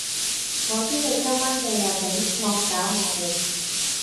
我知你今晚計劃緊惡搞我哋